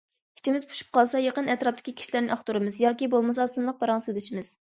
ئىچىمىز پۇشۇپ قالسا يېقىن ئەتراپتىكى كىشىلەرنى ئاختۇرىمىز، ياكى بولمىسا سىنلىق پاراڭ سېلىشىمىز.